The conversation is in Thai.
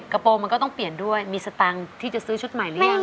กระโปรงมันก็ต้องเปลี่ยนด้วยมีสตางค์ที่จะซื้อชุดใหม่หรือยัง